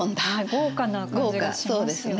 豪華な感じがしますよね。